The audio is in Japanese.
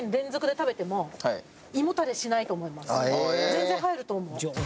全然入ると思う。